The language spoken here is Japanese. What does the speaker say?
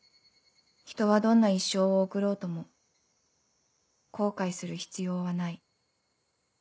人はどんな一生を送ろうとも後悔する必要はない」。